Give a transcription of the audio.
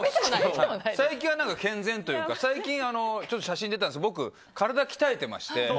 最近は健全というか最近、写真に出たんですけど、僕体鍛えてまして。